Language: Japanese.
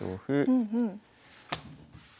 うんうん。